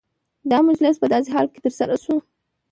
دا مجلس په داسي حال کي ترسره سو،